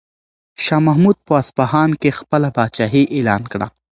شاه محمود په اصفهان کې خپله پاچاهي اعلان کړه.